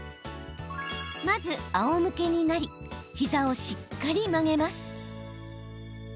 まず、あおむけになり膝をしっかり曲げます。